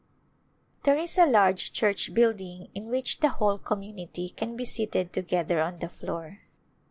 There is a large church building in which the whole community can be seated together on the floor.